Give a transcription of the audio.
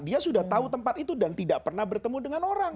dia sudah tahu tempat itu dan tidak pernah bertemu dengan orang